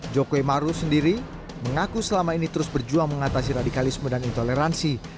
jokowi maruf sendiri mengaku selama ini terus berjuang mengatasi radikalisme dan intoleransi